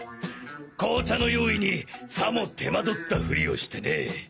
紅茶の用意にさも手間取ったふりをしてね。